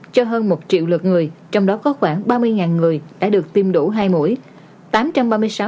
cho hơn một triệu lượt người trong đó có khoảng ba mươi người đã được tiêm đủ hai mũi